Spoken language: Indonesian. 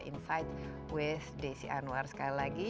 insight with desi anwar sekali lagi